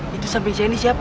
di samping jenis siapa